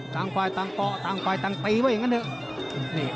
ตั้งฝ่ายตั้งเกาะตั้งฝ่ายตั้งตีว่าอย่างนั้นเนี่ย